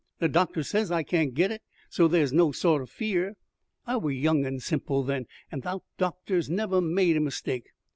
The doctor says I can't get it, so there's no sort o' fear.' I wur young and simple then, and thowt doctors never made a mistake.